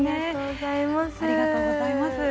ありがとうございます。